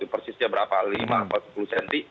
persisnya berapa lima atau sepuluh cm